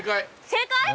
正解。